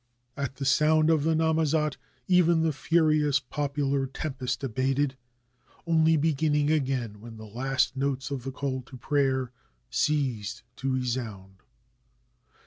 At the sound of the namazat, even the furious popular tempest abated, only beginning again when the last notes of the call to prayer ceased to resound.